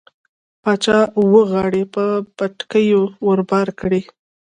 باچا اوه غاړۍ په بتکيو ور بار کړې.